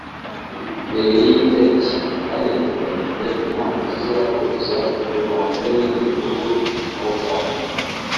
Mbere y’iyi tariki kandi hateganijwe inama zizahuza u Rwanda n’ibindi bihugu nka Uganda